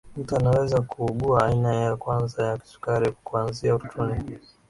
mtu anaweza kuugua aina ya kwanza ya kisukari kukuanzia utotoni